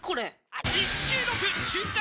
「１９６瞬間